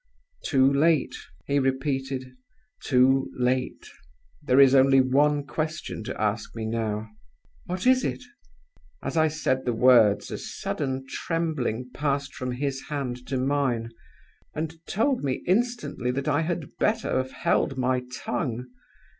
'Too late,' he repeated 'too late! There is only one question to ask me now.' "'What is it?' "As I said the words, a sudden trembling passed from his hand to mine, and told me instantly that I had better have held my tongue.